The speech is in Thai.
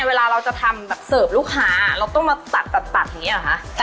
เวลาเราจะทำแบบเสิร์ฟลูกค้าเราต้องมาตัดตัดอย่างนี้หรอคะ